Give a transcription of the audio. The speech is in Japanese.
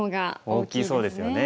大きそうですよね。